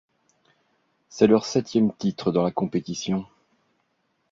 C'est leur septième titre dans la compétition.